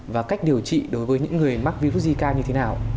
và cách điều trị đối với những người mắc virus zika như thế nào